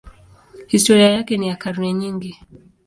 Historia yake ni ya karne nyingi.